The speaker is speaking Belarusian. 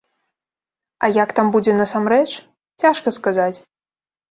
А як там будзе насамрэч, цяжка сказаць.